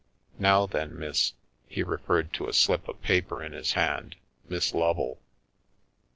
" Now, then, Miss " he referred to a slip of paper in his hand —" Miss Lovel.